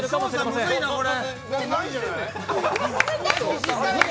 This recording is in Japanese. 操作、むずいな、これ。